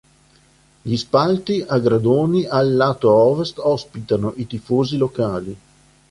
Gli spalti a gradoni al lato ovest ospitano i tifosi locali.